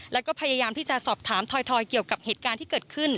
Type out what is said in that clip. แล้วก็พยายามที่จะสอบถามถอยเกี่ยวกับเหตุการณ์ที่เกิดขึ้น